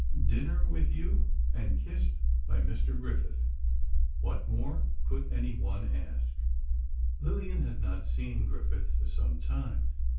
"Dinner with you, and kissed by Mr. Griffith! What more could anyone ask?" Lillian had not seen Griffith for some time.